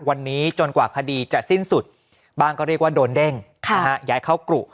วันนี้จนกว่าคดีจะสิ้นสุดบ้างก็เรียกว่าโดนเด้งย้ายเข้ากรุ